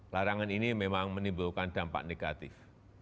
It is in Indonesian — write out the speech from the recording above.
larangan ini memang menimbulkan dampak negatif